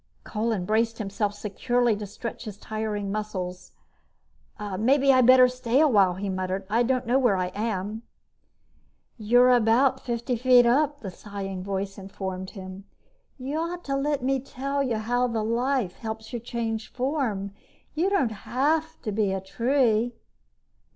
Kolin braced himself securely to stretch tiring muscles. "Maybe I'd better stay a while," he muttered. "I don't know where I am." "You're about fifty feet up," the sighing voice informed him. "You ought to let me tell you how the Life helps you change form. You don't have to be a tree."